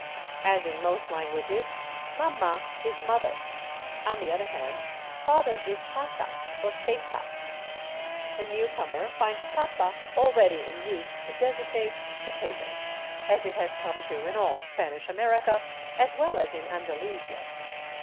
As in most lan guages, mama is mother; on the other hand, father is tata, or tayta; the newcomer finds papa already in use to designate potato, as it has come to in all Spanish America, as well as in Andalusia.